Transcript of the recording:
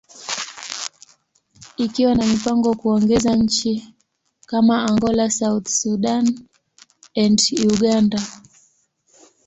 ikiwa na mipango ya kuongeza nchi kama Angola, South Sudan, and Uganda.